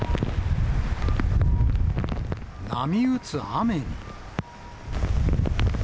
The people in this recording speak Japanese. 波打つ雨に。